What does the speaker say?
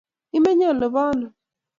Imenye olebo ano?